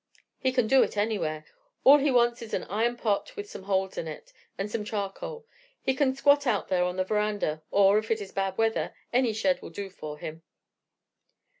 He can do it anywhere; all he wants is an iron pot with some holes in it, and some charcoal. He can squat out there on the veranda, or, if it is bad weather, any shed will do for him.